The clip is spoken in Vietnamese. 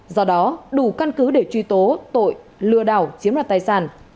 do đó đủ căn cứ để truy tố tội lừa đảo chiếm đoạt tài sản